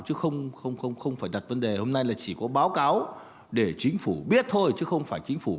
chứ không phải đặt vấn đề hôm nay là chỉ có báo cáo để chính phủ biết thôi chứ không phải chính phủ